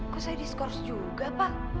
kok saya diskurs juga pak